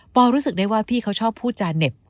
รู้สึกได้ว่าพี่เขาชอบพูดจาเหน็บ